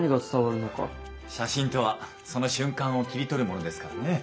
写真とはその瞬間を切り取るものですからね。